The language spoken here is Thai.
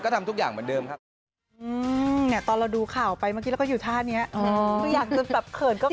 ทำทุกอย่างเหมือนเดิมครับ